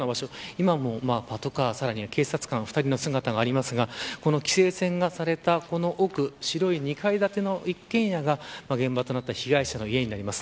今もパトカー、警察官２人の姿がありますが規制線がされたこの奥白い２階建ての一軒家が現場となった被害者の家になります。